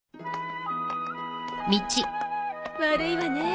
悪いわね。